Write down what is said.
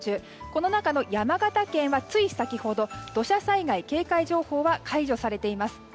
この中の山形県は、つい先ほど土砂災害警戒情報は解除されています。